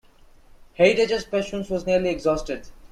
Heritage's patience was nearly exhausted.